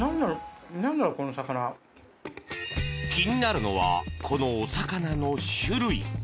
気になるのはこのお魚の種類。